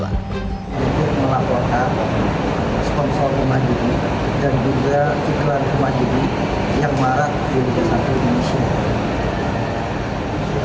saya juga melaporkan sponsor rumah judi dan juga titelan rumah judi yang marah di liga satu indonesia